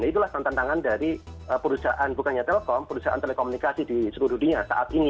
itulah tantangan dari perusahaan bukannya telkom perusahaan telekomunikasi di seluruh dunia saat ini